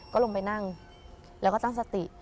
ก็ลงไปนั่งแล้วก็ตั้งสติ